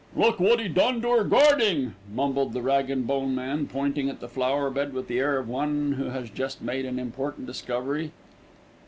"Look wot 'e done to 'er garding," mumbled the rag and bone man, pointing at the flower bed with the air of one who has just made an important discovery.